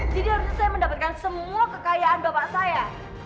jadi harusnya saya mendapatkan semua kekayaan bapak saya